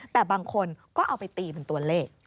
แต่บางคนก็เอาไปตีเป็นตัวเลข